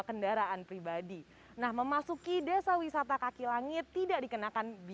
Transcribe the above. kendaraan pribadi nah memasuki desa wisata kaki langit tidak dikenakan biaya ayo kita jalan jalan